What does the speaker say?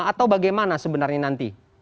atau bagaimana sebenarnya nanti